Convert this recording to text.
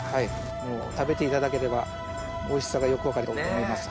もう食べていただければおいしさがよく分かると思います。